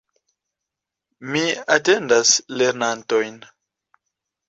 Mi atendas lernantojn.